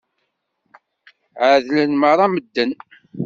Ɛedlen meṛṛa medden.